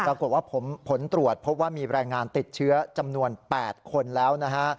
ปรากฏว่าผลตรวจพบว่ามีแรงงานติดเชื้อจำนวน๘คนแล้วนะฮะ